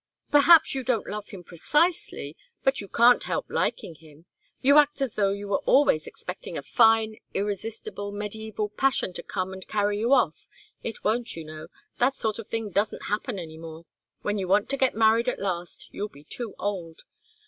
Perhaps you don't love him precisely, but you can't help liking him. You act as though you were always expecting a fine, irresistible, mediæval passion to come and carry you off. It won't, you know. That sort of thing doesn't happen any more. When you want to get married at last, you'll be too old.